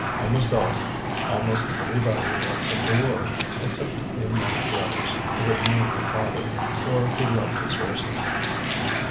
Almost everybody was a bore; except a few men of letters, who had known her father, or who loved his verses.